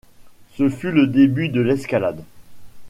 Ce fut le début de l'escalade.